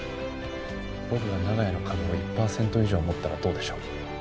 僕が長屋の株を１パーセント以上持ったらどうでしょう？